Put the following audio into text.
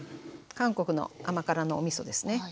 韓国の甘辛のおみそですね。